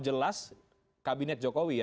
jelas kabinet jokowi ya